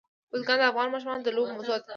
بزګان د افغان ماشومانو د لوبو موضوع ده.